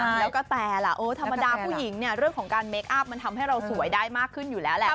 แล้วก็แต่ล่ะเออธรรมดาผู้หญิงเนี่ยเรื่องของการเมคอัพมันทำให้เราสวยได้มากขึ้นอยู่แล้วแหละ